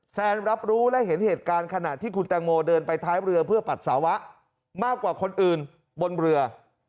แซนรับรู้และเห็นเหตุการณ์ขณะที่คุณแตงโมเดินไปท้ายเรือเพื่อปัสสาวะมากกว่าคนอื่นบนเรือ